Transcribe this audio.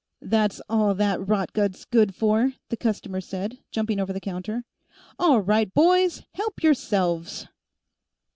"That's all that rotgut's good for," the customer said, jumping over the counter. "All right, boys; help yourselves!"